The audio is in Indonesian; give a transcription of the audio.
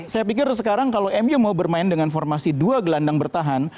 saya pikir sekarang kalau mu mau bermain dengan formasi dua gelandang bertahan